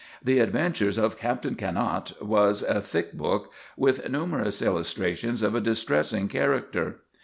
"The Adventures of Captain Canot" was a thick book with numerous illustrations of a distressing character.